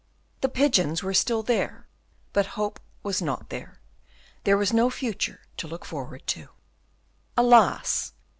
The pigeons were still there, but hope was not there; there was no future to look forward to. Alas!